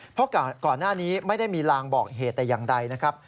เพราะก่อนหน้านี้ไม่ได้มีลางบอกเหตุแต่อย่างใดนะครับ